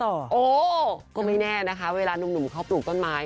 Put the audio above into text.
โอ้โหก็ไม่แน่นะคะเวลานุ่มเขาปลูกต้นไม้